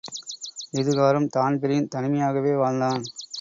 இதுகாறும் Dan Breen தனிமையாகவே வாழ்ந்தான்.